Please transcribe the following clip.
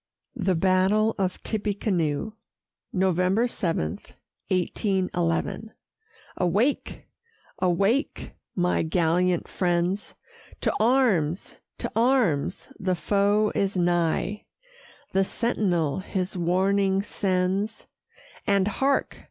THE BATTLE OF TIPPECANOE [November 7, 1811] Awake! awake! my gallant friends; To arms! to arms! the foe is nigh; The sentinel his warning sends; And hark!